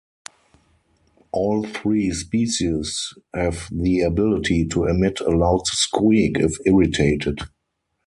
All three species have the ability to emit a loud squeak if irritated.